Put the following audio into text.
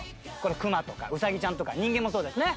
クマとかウサギちゃんとか人間もそうですね。